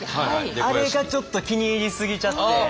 あれがちょっと気に入り過ぎちゃって。